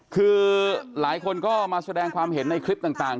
คือหลายคนก็มาแสดงความเห็นในคลิปต่าง